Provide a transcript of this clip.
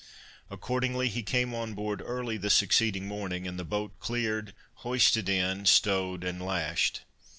Accordingly he came on board early the succeeding morning, and the boat cleared, hoisted in, stowed and lashed.